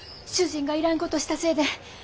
主人がいらんことしたせいで。